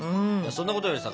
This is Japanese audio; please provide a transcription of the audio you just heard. そんなことよりさ。